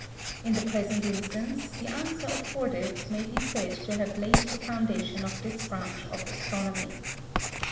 In the present instance, the answer afforded may be said to have laid the foundation of this branch of astronomy.